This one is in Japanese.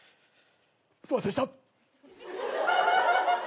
すいませんでした。